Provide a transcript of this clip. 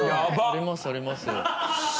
ありますあります。